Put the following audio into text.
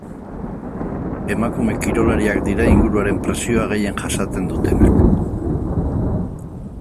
Emakume kirolariak dira inguruaren presioa gehien jasaten dutenak.